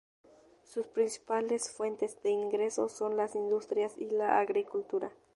Sus principales fuentes de ingresos son la industria y la agricultura.